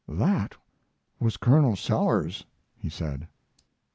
"That was Colonel Sellers," he said.